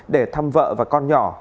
để thăm vợ và con nhỏ